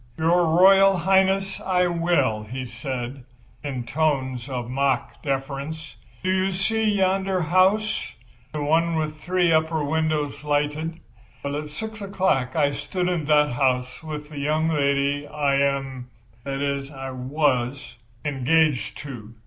"Your Royal Highness, I will," he said, in tones of mock deference. "Do you see yonder house—the one with three upper windows lighted? Well, at 6 o'clock I stood in that house with the young lady I am—that is, I was—engaged to.